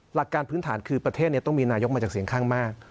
หลักการพื้นฐานคือประเทศนี้ต้องมีนายกมาจากเสียงข้างมาก